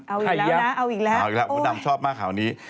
เอาอีกแล้วนะเอาอีกแล้วเอาอีกแล้วมดดำชอบมากข่าวนี้